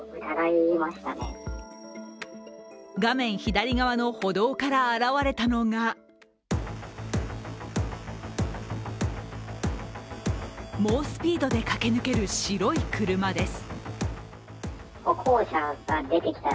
画面左側の歩道からあらわれたのが猛スピードで駆け抜ける白い車です。